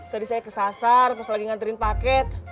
tadi saya kesasar pas lagi nganterin paket